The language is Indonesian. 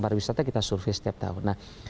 para wisatanya kita survei setiap tahun